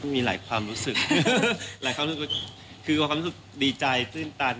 มีหลายความรู้สึกหลายความรู้สึกคือความรู้สึกดีใจตื้นตัน